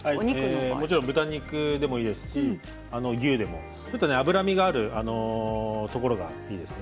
もちろん豚肉でもいいですし牛でも脂身があるところがいいですね